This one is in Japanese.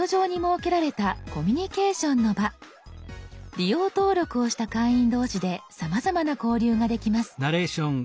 利用登録をした会員同士でさまざまな交流ができます。